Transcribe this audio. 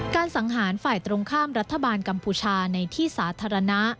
สังหารฝ่ายตรงข้ามรัฐบาลกัมพูชาในที่สาธารณะ